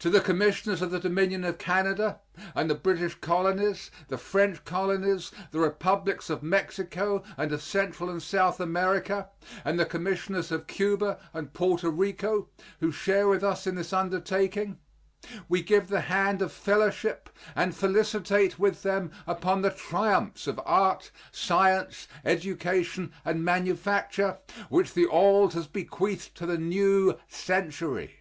To the commissioners of the Dominion of Canada and the British Colonies, the French Colonies, the Republics of Mexico and of Central and South America, and the commissioners of Cuba and Porto Rico, who share with us in this undertaking, we give the hand of fellowship and felicitate with them upon the triumphs of art, science, education and manufacture which the old has bequeathed to the new century.